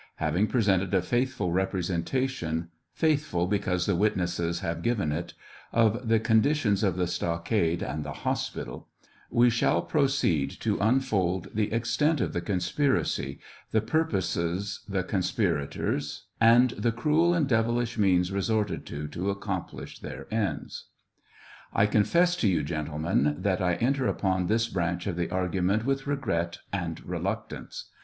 Having presented a faithful representation — faithful because the witnesses • have given it^of the condition of the stockade and the hospital, we shall proceed to unfold the extent of the conspiracy, the purposes the conspirators, and the cruel and devilish means resorted to to accomplish their ends. I confess to you, gentlemen, that I enter upon this branch of the argument with regret and reluctance.